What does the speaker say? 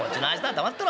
黙ってろ。